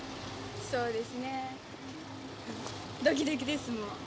そうですねドキドキですもう。